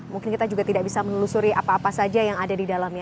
mungkin kita juga tidak bisa menelusuri apa apa saja yang ada di dalamnya